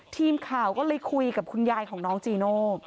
ทีมข่าวก็เลยคุยกับคุณยายของน้องจีโน่